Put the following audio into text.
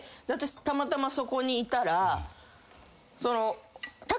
私たまたまそこにいたら。